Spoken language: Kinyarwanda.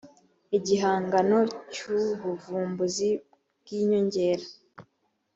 igihangano cy ubuvumbuzi bw inyongera